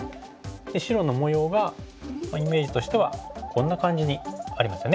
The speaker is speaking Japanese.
白の模様がイメージとしてはこんな感じにありますよね。